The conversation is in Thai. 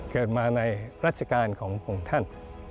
เกิดมาในรัชกาลของของท่าน